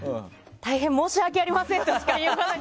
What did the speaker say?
大変申し訳ありませんとしか言いようがない。